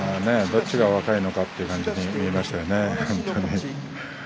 どちらが若いのかというふうに見えましたね。